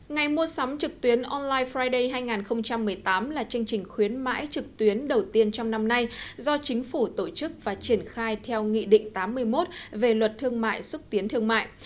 ngày mua sắm trực tuyến online friday hai nghìn một mươi tám là chương trình khuyến mãi trực tuyến đầu tiên trong năm nay do chính phủ tổ chức và triển khai theo nghị định tám mươi một về luật thương mại xúc tiến thương mại